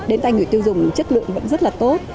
đến tay người tiêu dùng chất lượng vẫn rất là tốt